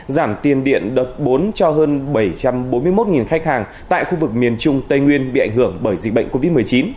giảm tiền điện đợt bốn cho hơn bảy trăm bốn mươi một khách hàng tại khu vực miền trung tây nguyên bị ảnh hưởng bởi dịch bệnh covid một mươi chín